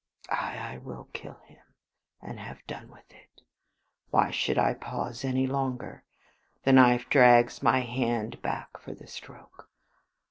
Ay, I will kill him, and have done with it. Why should I pause any longer? The knife drags my hand back for the stroke.